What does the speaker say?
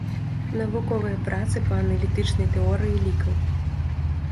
Навуковыя працы па аналітычнай тэорыі лікаў.